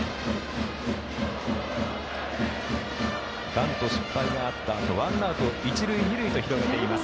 バント失敗があったあとワンアウト、一塁二塁と広げています。